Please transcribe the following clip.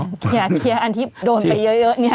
เคลียร์อันที่โดนไปเยอะเนี่ย